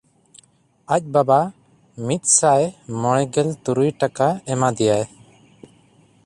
ᱟᱡ ᱵᱟᱵᱟ ᱢᱤᱫᱥᱟᱭ ᱢᱚᱬᱮᱜᱮᱞ ᱛᱩᱨᱩᱭ ᱴᱟᱠᱟ ᱮᱢᱟ ᱫᱮᱭᱟᱭ᱾